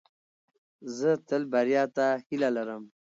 زه تل بریا ته هیله لرم.